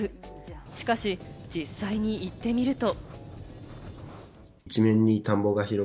しかし、実際に行ってみると。